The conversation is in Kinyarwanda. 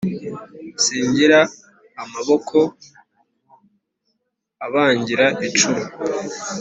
Singira amaboko abangira icumu